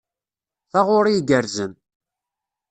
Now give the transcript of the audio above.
Taɣuri igerrzen.